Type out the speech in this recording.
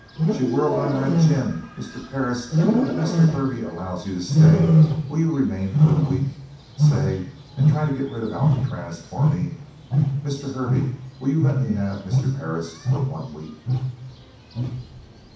She whirled on Red Jim. "Mr. Perris, if Mr. Hervey allows you to stay, will you remain for a week, say, and try to get rid of Alcatraz for me? Mr. Hervey, will you let me have Mr. Perris for one week?"